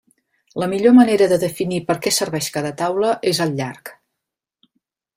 La millor manera de definir perquè serveix cada taula és el llarg.